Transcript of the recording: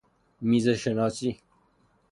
میزه شناسی